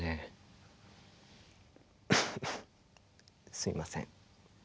すいません。